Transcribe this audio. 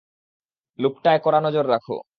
লুপটায় কড়া নজর রাখো।